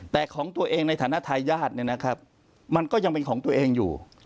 แต่ของตัวเองในฐานะทายาทเนี่ยนะครับมันก็ยังเป็นของตัวเองอยู่